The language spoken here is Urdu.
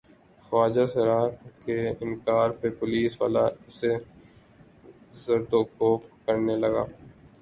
خواجہ سرا کے انکار پہ پولیس والا اسے زدوکوب کرنے لگا۔